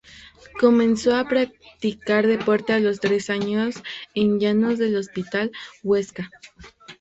Comenzó a practicar deporte a los tres años en Llanos del Hospital, Huesca.